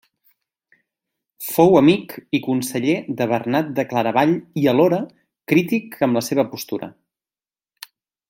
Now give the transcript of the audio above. Fou amic i conseller de Bernat de Claravall i alhora, crític amb la seva postura.